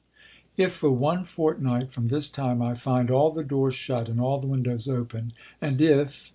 If for one fortnight from this time I find all the doors shut and all the windows open, and if